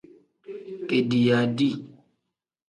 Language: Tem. Kediiya dii.